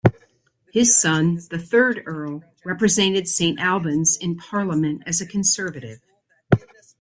His son, the third Earl, represented Saint Albans in Parliament as a Conservative.